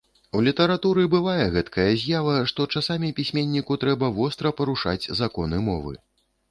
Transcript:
У літаратуры бывае гэтакая з'ява, што часамі пісьменніку трэба востра парушаць законы мовы.